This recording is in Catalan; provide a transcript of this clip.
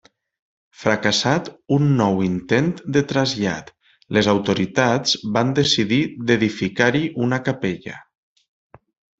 Fracassat un nou intent de trasllat, les autoritats van decidir d'edificar-hi una capella.